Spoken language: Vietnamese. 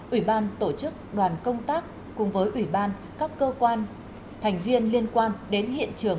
ủy ban tổ chức đoàn công tác cùng với ủy ban các cơ quan thành viên liên quan đến hiện trường